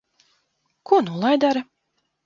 Ko nu lai dara?